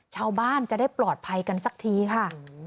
ชาวบ้านจะได้ปลอดภัยกันสักทีค่ะ